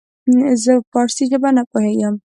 زه په پاړسي زبه نه پوهيږم